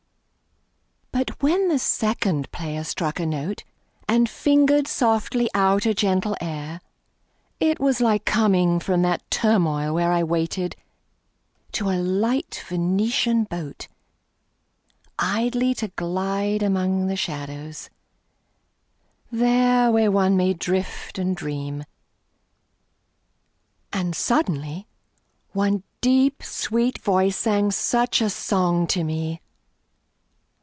II. But when the second player struck a note And fingered softly out a gentle air It was like coming from that turmoil where I waited, to a light Venetian boat, Idly to glide among the shadows, there Where one may drift and dream; and suddenly One deep sweet voice sang such a song to me.